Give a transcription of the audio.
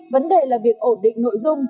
vấn đề là việc ổn định nội dung